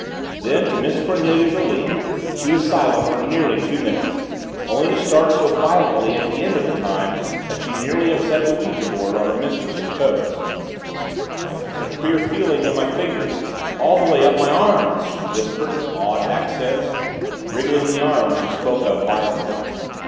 Then, to Miss Cornelia's relief, she was silent for nearly two minutes, only to start so violently at the end of the time that she nearly upset the ouija board on her mistress's toes. "I've got a queer feeling in my fingers all the way up my arms," she whispered in awed accents, wriggling the arms she spoke of violently.